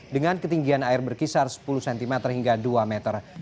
dengan ketinggian air berkisar sepuluh cm hingga dua meter